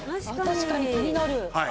確かに気になる。